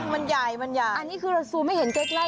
มันใหญ่มันใหญ่อันนี้คือเราซูมให้เห็นใกล้